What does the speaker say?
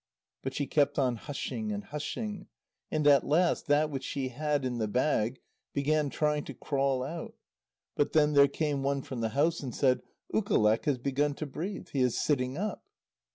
But she kept on hushing and hushing, and at last that which she had in the bag began trying to crawl out. But then there came one from the house and said: "Ukaleq has begun to breathe; he is sitting up."